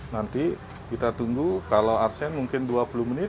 nanti kita tunggu kalau arsen mungkin dua puluh menit